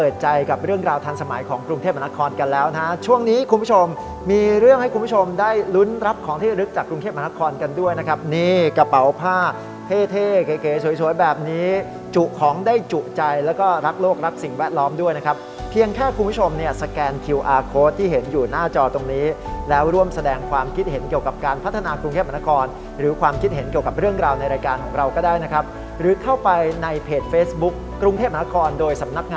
อสมอสมอสมอสมอสมอสมอสมอสมอสมอสมอสมอสมอสมอสมอสมอสมอสมอสมอสมอสมอสมอสมอสมอสมอสมอสมอสมอสมอสมอสมอสมอสมอสมอสมอสมอสมอสม